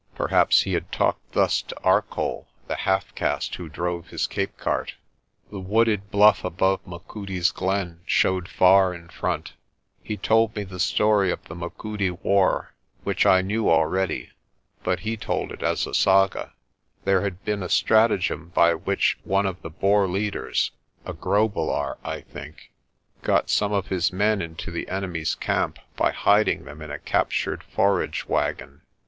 Perhaps he had talked thus to Arcoll, the half caste who drove his Cape cart. The wooded bluff above Machudi's glen showed far in front. He told me the story of the Machudi war, which I knew already, But he told it as a saga. There had been a stratagem by which one of the Boer leaders a Grobelaar, I think got some of his men into the enemy's camp by hiding them in a captured forage wagon.